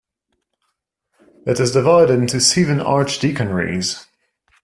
It is divided into seven archdeaconries.